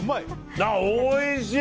おいしい！